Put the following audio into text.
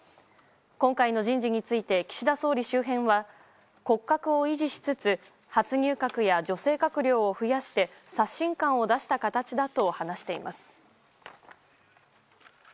今回の人事について、岸田総理周辺は、骨格を維持しつつ、初入閣や女性閣僚を増やして、刷新感を出した形だと話しています。